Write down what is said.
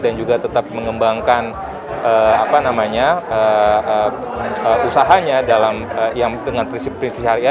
dan juga tetap mengembangkan usahanya dengan prinsip prinsip syariah